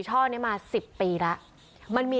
วิทยาลัยศาสตรี